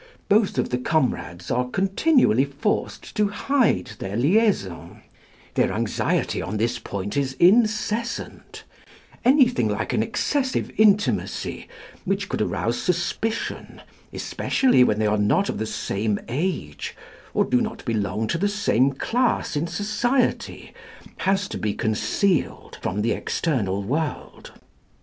Both of the comrades are continually forced to hide their liaison; their anxiety on this point is incessant; anything like an excessive intimacy, which could arouse suspicion (especially when they are not of the same age, or do not belong to the same class in society), has to be concealed from the external world.